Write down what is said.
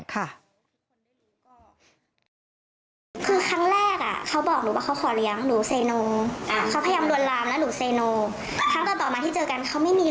พ่อเขาเป็นคนดังนะแต่เขาไม่อยากให้ทุกคนจดจำพ่อเขา